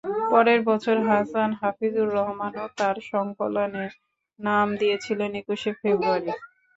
পরের বছর হাসান হাফিজুর রহমানও তাঁর সংকলনের নাম দিয়েছিলেন একুশে ফেব্রুয়ারি।